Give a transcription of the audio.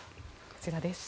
こちらです。